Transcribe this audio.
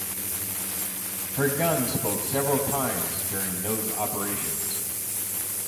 Her guns spoke several times during those operations.